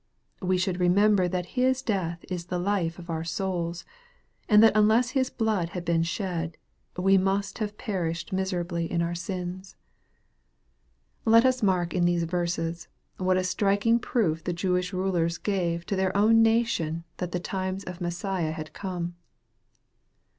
We should remember that His death is the life of our souls, and that unless His Liood had been shed, we must have perished miserably in our sins. 836 EXPOSITOR r THOUGHTS. Let us mark in these verses, what a striking proof the Jewish rulers gave to their own nation that the times of Messiah had come.